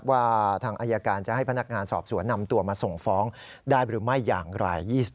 ว่าทางอายการจะให้พนักงานสอบสวนนำตัวมาส่งฟ้องได้หรือไม่อย่างไร